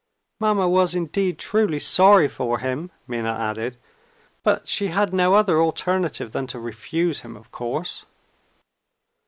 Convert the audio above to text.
"Mamma was indeed truly sorry for him," Minna added; "but she had no other alternative than to refuse him, of course."